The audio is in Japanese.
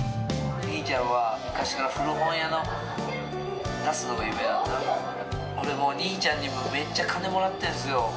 兄ちゃんは昔から古本屋を出すのが夢で俺も兄ちゃんにめっちゃ金もらったんですよ。